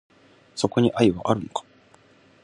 そこに愛はあるんか？